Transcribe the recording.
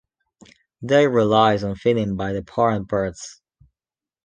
day relies on feeding by the parent birds.